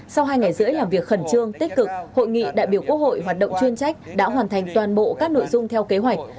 sau hai ngày rưỡi làm việc khẩn trương tích cực hội nghị đại biểu quốc hội hoạt động chuyên trách đã hoàn thành toàn bộ các nội dung theo kế hoạch